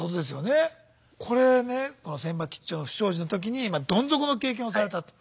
これねこの船場兆の不祥事の時にまあどん底の経験をされたと。